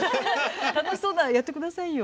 楽しそうならやってくださいよ。